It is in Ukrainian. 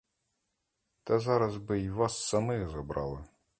Та зараз би й вас самих забрали.